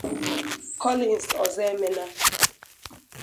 Collins Ozoemena